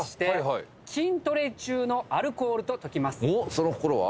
その心は？